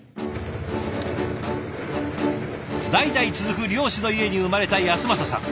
代々続く漁師の家に生まれた尉晶さん。